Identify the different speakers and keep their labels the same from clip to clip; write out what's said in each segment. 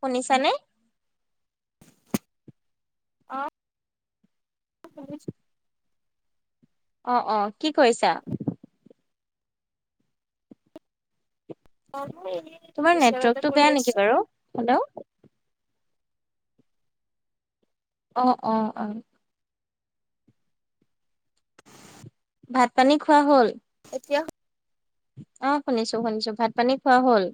Speaker 1: শুনিছানে?
Speaker 2: অ' শুনিছো।
Speaker 1: অ', অ' কি কৰিছা?
Speaker 2: আছো এনেই।
Speaker 1: তোমাৰ
Speaker 2: বিচনাতে
Speaker 1: নেটৱৰ্কটো
Speaker 2: পৰি
Speaker 1: বেয়া নেকি
Speaker 2: আছো
Speaker 1: বাৰু? হেল্ল'। অহ'-অহ'-অহ'। ভাত-পানী খোৱা হ'ল?
Speaker 2: এতিয়া?
Speaker 1: অ, শুনিছো শুনিছো ভাত-পানী খোৱা হ'ল?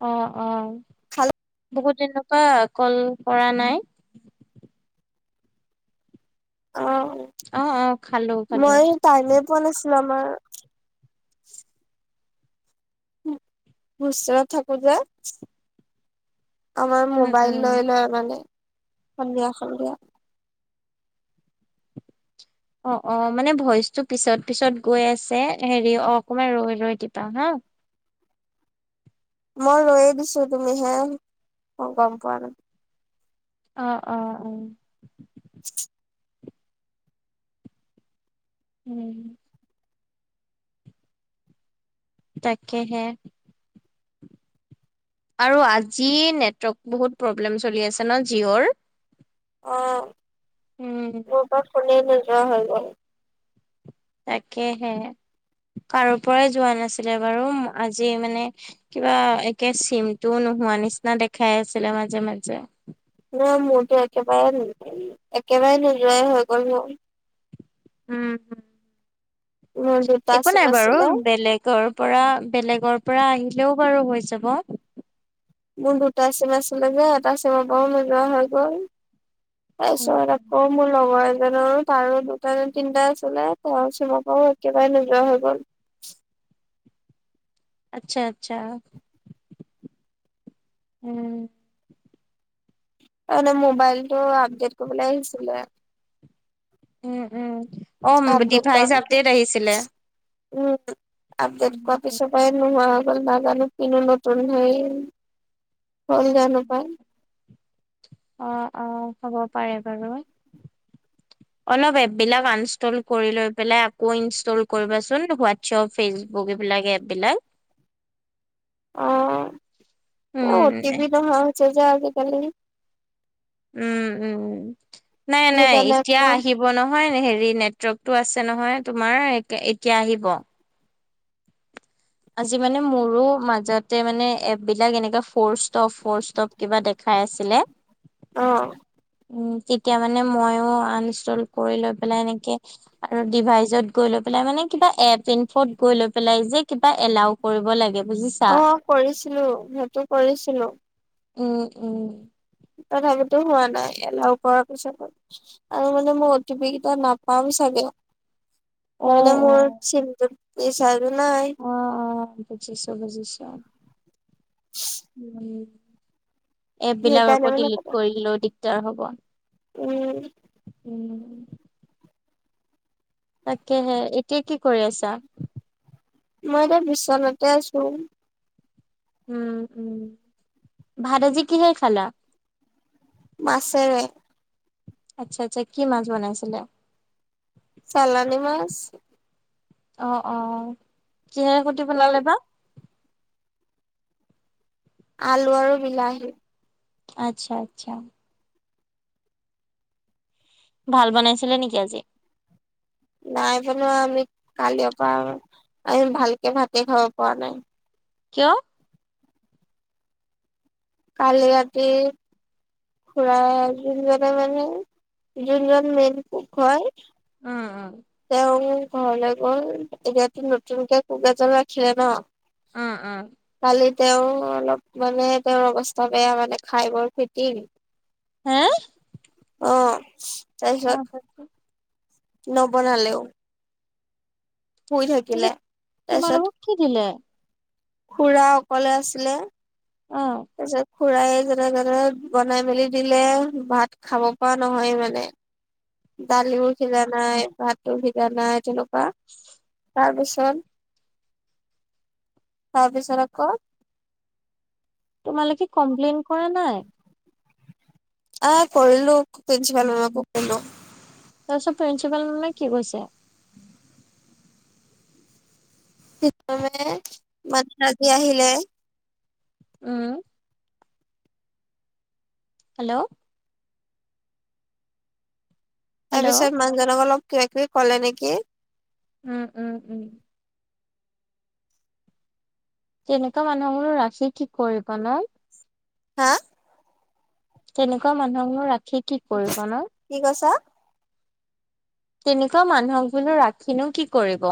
Speaker 1: অ, অ।
Speaker 2: [unintelligible]
Speaker 1: বহুত দিনৰ পৰা কল কৰা নাই।
Speaker 2: অ'।
Speaker 1: অঁ, অঁ, খালো, খালোঁ।
Speaker 2: মই টাইমে পোৱা নাছিলো আমাৰ- হোষ্টেলত থাকোতে- আমাৰ
Speaker 1: উম
Speaker 2: মোবাইল
Speaker 1: উম।
Speaker 2: লৈ লয় মানে, সন্ধিয়া সন্ধিয়া।
Speaker 1: অঁ, অঁ, মানে ভইচটো পিছত পিছত গৈ আছে, হেৰি অ- অকমান ৰৈ-ৰৈ দিবা হা।
Speaker 2: মই ৰৈয়ে দিছো তুমি হে, মই গম পোৱা নাই।
Speaker 1: অ, অ, অ।
Speaker 2: [unintelligible]
Speaker 1: উম। তাকেহে। আৰু আজি নেটৱৰ্ক বহুত প্ৰব্লেম চলি আছে ন' জিঅ'ৰ?
Speaker 2: অ
Speaker 1: উমঁ।
Speaker 2: [unintelligible] ফোনে নোযোৱা হৈ গ'ল।
Speaker 1: তাকেহে কাৰো পৰাই যোৱা নাছিলে বাৰু ওম আজি মানে কিবা একে চিমটোও নোহোৱা নিচিনা দেখাই আছিলে মাজে-মাজে।
Speaker 2: নহয় মোৰতো একেবাৰে [unintelligible] একেবাৰে নোযোৱাই হৈ গ'ল মোৰ।
Speaker 1: উম,
Speaker 2: মোৰ দুটা
Speaker 1: একো
Speaker 2: চিম
Speaker 1: নাই বাৰু
Speaker 2: আছিলে
Speaker 1: বেলেগৰ পৰা বেলেগৰ পৰা আহিলেও বাৰু হৈ যাব।
Speaker 2: মোৰ দুুটা চিম আছিলে যে এটা চিম' পাও নোযোৱা হৈ গ'ল, তাৰ
Speaker 1: উম
Speaker 2: পিছত
Speaker 1: উম।
Speaker 2: আকৌ- মোৰ লগৰ এজনৰো তাৰো দুটা নে তিনটা আছিলে তেওঁৰ চিম পাও একেবাৰে নোযোৱা হৈ গ'ল।
Speaker 1: আচ্ছা আচ্ছা উম,
Speaker 2: মানে মোবাইলটো আপডেট কৰিবলে আহিছিলে।
Speaker 1: উম, উম, অ,
Speaker 2: আপডেট কৰাৰ
Speaker 1: ডিভাইজ
Speaker 2: পিছত
Speaker 1: আপডেট আহিছিলে।
Speaker 2: উম, আপডেট কৰা
Speaker 1: উম।
Speaker 2: পিছত উপায় নোহোৱা হৈ গ'ল। নাজানো কিনো নতুন সেই হ'ল জানো পায়।
Speaker 1: অ, অ, হ'ব পাৰে বাৰু। অলপ এপ বিলাক আনষ্টল কৰি লৈ পেলাই আকৌ ইনষ্টল কৰিবাচোন। হোৱাটচ ফেচবুক এইবিলাক এপ বিলাক।
Speaker 2: অ
Speaker 1: উম
Speaker 2: অতিপি নহা হৈছে যে আজিকালি।
Speaker 1: উম, উম, নাই-নাই
Speaker 2: সেইকাৰণে
Speaker 1: এতিয়া
Speaker 2: আকৌ
Speaker 1: আহিব হ'ব নহয় হেৰি নেটৱৰ্কটো আছে নহয় তোমাৰ এ এতিয়া আহিব। আজি মানে মোৰো মাজতে মানে এপ বিলাক এনেকা ফ'ৰ ষ্টপ ফ'ৰ ষ্টপ কিবা দেখাই আছিলে।
Speaker 2: অ।
Speaker 1: উম, তেতিয়া মানে মইও আনষ্টল কৰি লৈ পেলাই এনেকে আৰু ডিভাইচত গৈ লৈ পেলাই মানে কিবা এপ ইনফত গৈ লৈ পেলাই যে কিবা এলাও কৰিব লাগে। বুজিছা।
Speaker 2: অ, কৰিছিলো সেইটো কৰিছিলো।
Speaker 1: উম, উম।
Speaker 2: তথাপিতো হোৱা নাই এলাও কৰাৰ পিছতো। আৰু মানে মই অটি পি কেইটা নাপাম চাগে। তাৰ মানে
Speaker 1: অ'
Speaker 2: মোৰ চিমটোত ৰিচাৰ্জ নাই।
Speaker 1: অ', অ', বুজিছোঁ বুজিছোঁ। এপ বিলাক
Speaker 2: সেইকাৰণে
Speaker 1: আকৌ
Speaker 2: মানে
Speaker 1: ডিলিট কৰিলেও দিগদাৰ হ'ব।
Speaker 2: উম'।
Speaker 1: ওম'। তাকেহে এতিয়া কি কৰি আছা?
Speaker 2: মই এতিয়া বিচনাতে আছো।
Speaker 1: উম', উম, ভাত আজি কিহে খালা?
Speaker 2: মাছেৰে।
Speaker 1: আচ্ছা আচ্ছা কি মাছ বনাইছিলে?
Speaker 2: চালানী মাছ।
Speaker 1: অ', অ' কিহেৰেহৈতে বনালে বা?
Speaker 2: আলু আৰু বিলাহী।
Speaker 1: আচ্ছা আচ্ছা। ভাল বনাইছিলে নেকি আজি?
Speaker 2: নাই বনুৱা আমি কালিৰ পৰা আমি ভালকে ভাতে খাব পৰা নাই।
Speaker 1: কিয়?
Speaker 2: কালি ৰাতি খুৰা যোনজনে মানে যোনজন মেইন কোক হয়।
Speaker 1: উম', উম,
Speaker 2: তেওঁ ঘৰলৈ গ'ল এতিয়াতো নতুনকে কোক এজল ৰাখিলে ন'।
Speaker 1: উম', উম'
Speaker 2: কালি তেওঁ অলপ মানে তেওঁৰ অৱস্থা বেয়া মানে খাই বৈ ফাইটিং।
Speaker 1: হে?
Speaker 2: অ',
Speaker 1: অ
Speaker 2: তাৰপিছত
Speaker 1: তাৰপিছত
Speaker 2: নবনালেও। শুই থাকিলে তাৰপিছত
Speaker 1: তোমালোকক কি দিলে?
Speaker 2: খুৰা অকলে আছিলে।
Speaker 1: অঁ।
Speaker 2: তাৰপিছত খুৰায় যেনে তেনে বনাই মেলি দিলে ভাত খাব পৰা নহয় মানে। দালিও সিজা নাই, ভাতো সিজা নাই, তেনেকুৱা।
Speaker 1: [unintelligible]
Speaker 2: তাৰপিছত, তাৰপিছত আকৌ
Speaker 1: তোমালোকে কমপ্লেইন কৰা নাই?
Speaker 2: অ', কৰিলো প্ৰিন্সিপাল মে'মকো কলোঁ।
Speaker 1: তাৰপিছত প্ৰিন্ঞ্চিপালজনে কি কৈছে?
Speaker 2: [unintelligible] আহিলে।
Speaker 1: উম'। হেল্ল'।
Speaker 2: তাৰ
Speaker 1: হেল্ল'
Speaker 2: পিছত মানুহজনক অলপ কিবা কিবি ক'লে নেকি।
Speaker 1: উম', উম', উম। তেনেকুৱা মানুহবোৰ ৰাখি কি কৰিবা নো।
Speaker 2: হা?
Speaker 1: তেনেকুৱা মানুহবোৰ ৰাখি কি কৰিবা নো।
Speaker 2: কি কৈছা?
Speaker 1: তেনেকুৱা মানুহক বোলো ৰাখিনো কি কৰিব।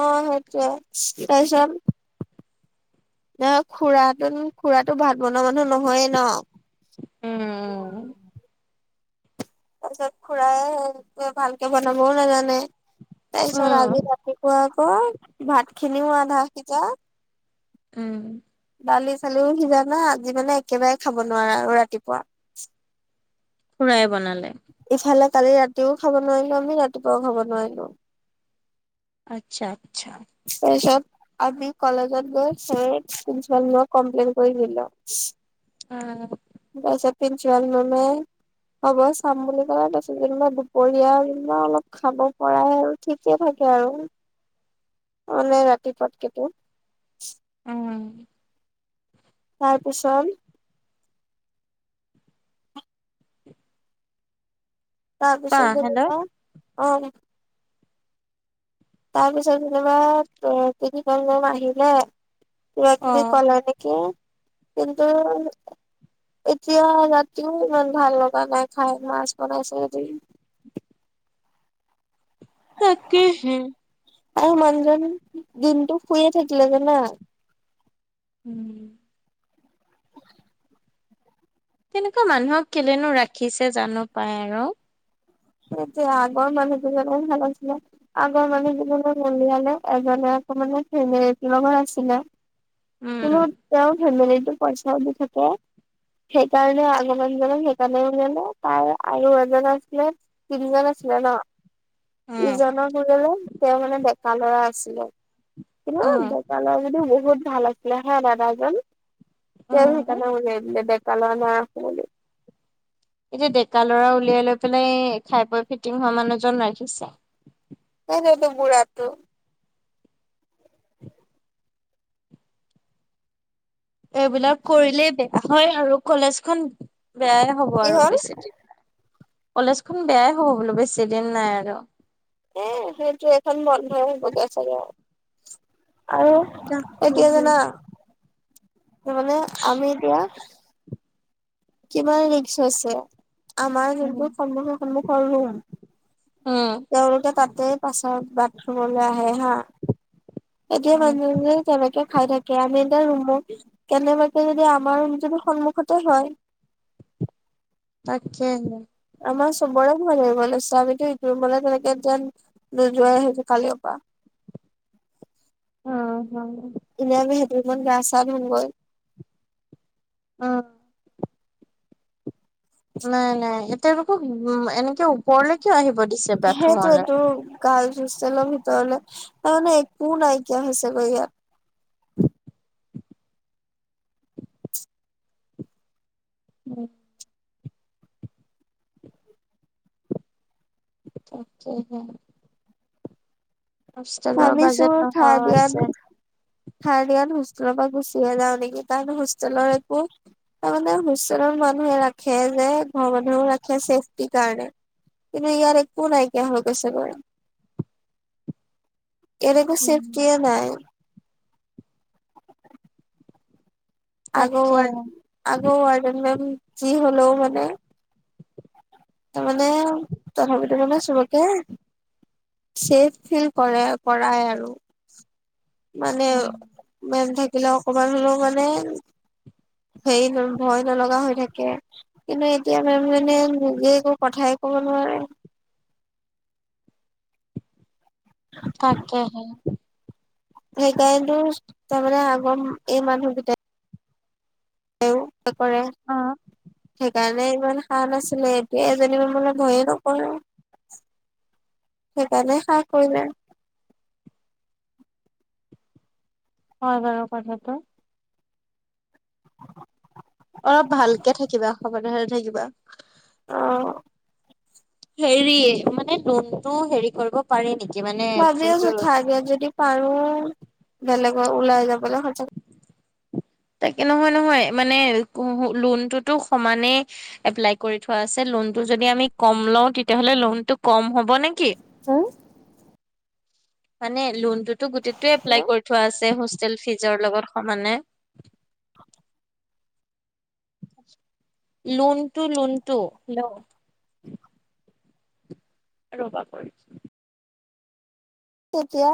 Speaker 2: অ', সেইটোৱেই, তাৰপিছত ন' খুৰাটোনো খুৰাটো ভাত বনোৱা মানুহ নহয়ে ন'।
Speaker 1: উম'।
Speaker 2: তাৰ পিছত খুৰাই ভালকে বনাবও নাজানে, তাৰপিছত আজি ৰাতি পোৱা আকৌ ভাত খিনিও আধা সিজা
Speaker 1: উম।
Speaker 2: দালি চালিও সিজা নাই আজি মানে একেবাৰে খাব নোৱাৰা আৰু ৰাতিপুৱা
Speaker 1: খুৰাই বনালে।
Speaker 2: ইফালে কালি ৰাতিও খাব নোৱাৰিলো আমি, ৰাতিপুৱাও খাব নোৱাৰিলো।
Speaker 1: আচ্ছা-আচ্ছা'।
Speaker 2: তাৰপাচত আমি কলেজত গৈ সেই প্ৰিন্সিপাল মে'মক কমপ্লেইন কৰি দিলোঁ।
Speaker 1: অঁ।
Speaker 2: তাৰপাছত প্ৰিন্সিপাল মে'মে হ'ব চাম বুলি ক'লে তাৰ পিছত যেনিবা দুপৰীয়া যেনিবা অলপ খাব পৰাই আৰু ঠিকে থাকে আৰু।
Speaker 1: [unintelligible]
Speaker 2: মানে ৰাতিপুৱাকেইটো-
Speaker 1: উম।
Speaker 2: তাৰ পিছত
Speaker 1: কোৱা
Speaker 2: তাৰপিছত
Speaker 1: হেল্ল'
Speaker 2: যেনিবা, অঁ তাৰ পিছত যেনিবা তিনিখন মান আহিলে। কিবা কিবি
Speaker 1: অ'।
Speaker 2: কলা নেকি? কিন্তু, এতিয়া ৰাতিও ইমান ভাল লগা নাই খাই মাছ বনাইছেদি।
Speaker 1: তাকে হে
Speaker 2: আৰু মানুহজন দিনটো শুয়ে থাকিলে জানা?
Speaker 1: উম। তেনেকুৱা মানুহক কেলেনো ৰাখিছে জানো পাই আৰু।
Speaker 2: তেতিয়া আগৰ মানুহ জন ভাল আছিলে। আগৰ মানে জীৱনৰ উলিয়ালে এজন আকৌ মানে ফেমেলীলগৰ আছিলে। কিন্তু
Speaker 1: উম,
Speaker 2: তেওঁ ফেমিলিতো পইচাও দি থাকে। সেইকাৰণে আগন জনক সেইকাৰণে ওলিলে তাৰ আৰু এজন আছিলে। তিনিজন আছিলে ন
Speaker 1: উম,
Speaker 2: ইজনৰ বলে তেওঁ মানে ডেকা লৰা আছিলে। কিন্তু
Speaker 1: উম,
Speaker 2: ডেকা লৰাজন যদি বহুত ভাল আছিলে হা দাদাজন। তেওঁ
Speaker 1: উম।
Speaker 2: সেইকাৰণে উলাই দিলে ডেকা ল'ৰা নাৰাখো বুলি।
Speaker 1: এতিয়া ডেকা লৰা উলিয়াই লৈ পেলাই খাই পোৱা ফিটিং হোৱা মানুহজন ৰাখিছে।
Speaker 2: সেইযে ইটো বুঢ়াটো
Speaker 1: এইবিলাক কৰিলেই বেয়া হয় আৰু কলেজ খন বেয়া হ'ব
Speaker 2: কি
Speaker 1: আৰু
Speaker 2: হ'ল
Speaker 1: বেছি দিন নাই কলেজ খন বেয়াই হ'ব বোলো বেছি দিন নাই আৰু।
Speaker 2: এ সেইটো এখন বন্ধয় হ'বগে চাগে আৰু। আৰু
Speaker 1: উম,
Speaker 2: এতিয়া জানা? নহ'লে মানে আমি এতিয়া কিমান ৰিক্স আছে আমাৰ যোনটো সন্মুখৰ সন্মুখৰ ৰুম। তেওঁলোকে তাতে পাছত বাথৰুমলৈ আহে হা। এতিয়া মানুহে তেনেকে খাই থাকে আমি এতিয়া ৰুমো কেনেবাকে যদি আমাৰ ৰুম তো সন্মুখতে হয়।
Speaker 1: তাকে।
Speaker 2: আমাৰ চবৰে কিমান ধৰি লাগছে আমিতো ইটো ৰুমলৈ তেনেকে যেন নোযোৱাই হৈছো কালিৰ পৰা।
Speaker 1: অ' অ'।
Speaker 2: এনে আমি সেইটো ৰুমত গা চা ধুম গৈ।
Speaker 1: অ'। নাই নাই এ তেওঁলোকক উ এনেকে ওপৰলে কিয় আহিব দিছে
Speaker 2: সেইটোৱে
Speaker 1: বাথৰুমলে
Speaker 2: তো। গাৰ্লছ হুষ্টেইলৰ ভিতৰলে তাৰ মানে একো নাইকিয়া হৈছে গৈ ইয়াত
Speaker 1: উম। তাকে। হষ্টেলৰ
Speaker 2: ভাবিছো
Speaker 1: বাজেট অ' অ' আছে।
Speaker 2: থাৰড ইয়াৰ হোষ্টেলৰ পৰা গুচিহে যাওঁ নেকি তাৰে হোষ্টেলৰ একো তাৰমানে হুষ্টেলৰ মানুহে ৰাখে যে ঘৰৰ মানুহেও ৰাখে ছেফটিৰ কাৰণে। কিন্তু ইয়াত একো নাইকিয়া হৈ গৈছে গৈ।
Speaker 1: [inaudible]
Speaker 2: ইয়াত একো
Speaker 1: উম,
Speaker 2: চেফটিয়ে নাই। আগ
Speaker 1: তাকে
Speaker 2: আগ কি হ'লেও মানে? তাৰ মানে তথাপিতো মানে চবকে চেফ ফিল কৰে কৰাই আৰু মানে
Speaker 1: উম,
Speaker 2: মে'ম থাকিলে অকমান হলেও মানে হেৰি ভয় নলগা হৈ থাকে কিন্তু এতিয়া মে'ম জনিয়ে নিজে একো কথাই কব নোৱাৰে।
Speaker 1: তাকেহে।
Speaker 2: সেইকাৰণতো তাৰমানে আগৰ এই মানুহকতা তেওঁ কৰে
Speaker 1: অ
Speaker 2: সেইকাৰণে ইমান সাহ নাছিলে এতিয়া এজনী মানলে ভয়ে নকৰে। সেইকাৰণে সাহ কৰিলে।
Speaker 1: হয় বাৰ কথাটো। অলপ ভালকে থাকিবা সাৱধানে থাকিবা।
Speaker 2: অ'।
Speaker 1: হেৰি মানে লোনতটো হেৰি কৰিব পাৰে নেকি। মানে
Speaker 2: ভাবি
Speaker 1: যোনটো
Speaker 2: আছোঁ থাক ইয়াত যদি পাৰো বেলেগৰ ওলাই যাবলৈ সচাক
Speaker 1: তাকে নহয়, নহয় মানে লোনটোতো সমানেই এপ্লাই কৰি থোৱা আছে লোনটো যদি আমি ক'ম লোও তেতিয়ালে লোনটো কম হ'ব নেকি?
Speaker 2: উ।
Speaker 1: মানে লোনটোতো গোটতে এপ্লাই
Speaker 2: হেল্ল'
Speaker 1: কৰি থোৱা আছে হোষ্টেল ফিজৰ লগত সমানে। লোনটু লোনটু হেল্ল'। ৰবা কৰিছোঁ।
Speaker 2: কেতিয়া।